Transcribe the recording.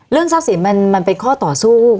ทรัพย์สินมันเป็นข้อต่อสู้